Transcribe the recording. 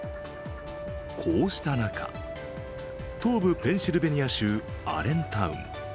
こうした中、東部ペンシルベニア州アレンタウン。